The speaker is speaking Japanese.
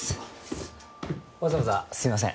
わざわざすみません。